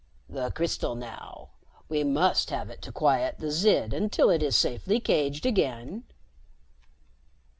"The crystal now. We must have it to quiet the Zid until it is safely caged again."